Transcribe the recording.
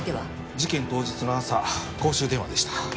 事件当日の朝公衆電話でした。